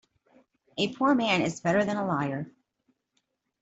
A poor man is better than a liar.